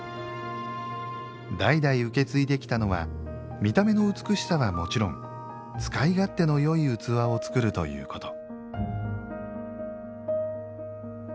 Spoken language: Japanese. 代々受け継いできたのは見た目の美しさはもちろん使い勝手のよい器を作るということ。